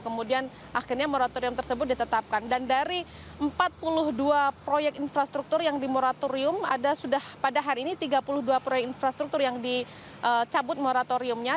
kemudian akhirnya moratorium tersebut ditetapkan dan dari empat puluh dua proyek infrastruktur yang di moratorium ada sudah pada hari ini tiga puluh dua proyek infrastruktur yang dicabut moratoriumnya